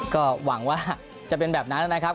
ก็หวังว่าจะเป็นแบบนั้นนะครับ